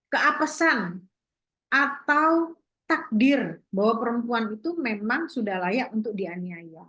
keapesan atau takdir bahwa perempuan itu memang sudah layak untuk dianiaya